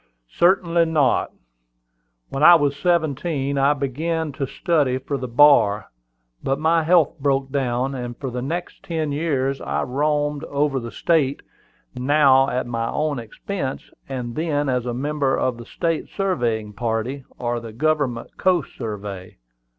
"Certainly not. When I was seventeen I began to study for the bar; but my health broke down, and for the next ten years I roamed over the state, now at my own expense, and then as a member of the state surveying party, or the government coast survey.